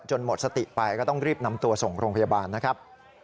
หมดสติไปก็ต้องรีบนำตัวส่งโรงพยาบาลนะครับ